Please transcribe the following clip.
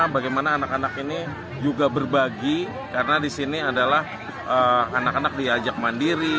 bagaimana anak anak ini juga berbagi karena di sini adalah anak anak diajak mandiri